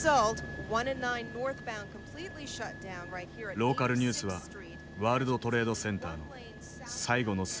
ローカルニュースはワールドトレードセンターの最後の姿を映していた。